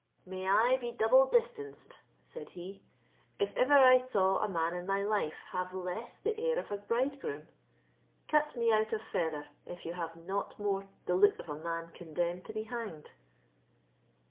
"May I be double distanced," said he, "if ever I saw a man in my life have less the air of a bridegroom! Cut me out of feather, if you have not more the look of a man condemned to be hanged!"